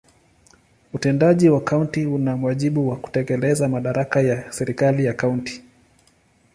Utendaji wa kaunti una wajibu wa kutekeleza madaraka ya serikali ya kaunti.